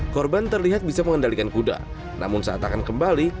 korban terlihat bisa mengendalikan kuda namun saat akan kembali